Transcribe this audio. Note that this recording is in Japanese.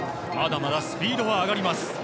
まだまだスピードは上がります。